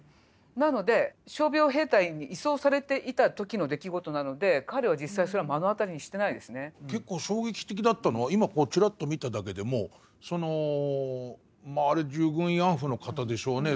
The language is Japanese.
なので傷病兵隊に移送されていた時の出来事なので彼は結構衝撃的だったのは今こうちらっと見ただけでもそのまああれ従軍慰安婦の方でしょうね